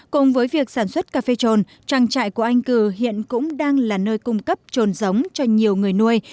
cùng với việc sản xuất cà phê trồn trang trại của anh cử hiện cũng đang là nơi cung cấp trồn giống cho nhiều người nuôi